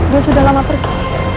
dia sudah lama pergi